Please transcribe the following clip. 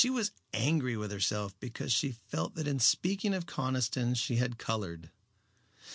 She was angry with herself because she felt that in speaking of Conniston she had colored.